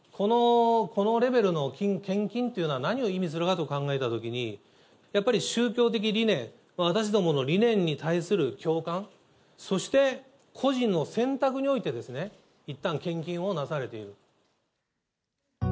このレベルの献金というのは何を意味するかと考えたときに、やっぱり宗教的理念、私どもの理念に対する共感、そして個人の選択において、いったん献金をなされている。